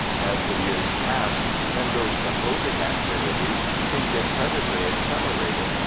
As the years passed, Handel's composing activity seemed incredibly accelerated.